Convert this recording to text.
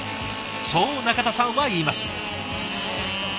そう中田さんは言います。